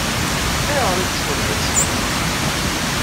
Ayɣer i tettnadiḍ ad teẓṛeḍ?